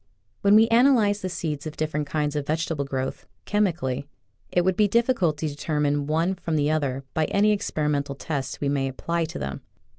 When we analyze the seeds of different kinds of vegetable growth, chemically, it would be difficult to determine one from the other by any experimental test we may apply to them.